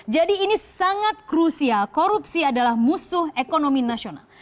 ini sangat krusial korupsi adalah musuh ekonomi nasional